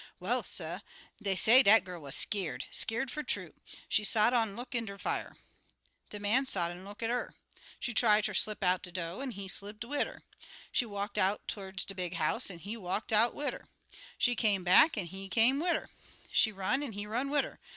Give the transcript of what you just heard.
"Well, suh, dey say dat gal wuz skeer'd skeer'd fer true. She sot on' look in der fire. De man sot an' look at 'er. She try ter slip out de do', an' he slipped wid 'er. She walked to'rds de big house, an' he walkt wid 'er. She come back, an' he come wid 'er. She run an' he run wid 'er.